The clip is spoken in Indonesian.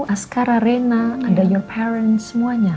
askara rena ada your parents semuanya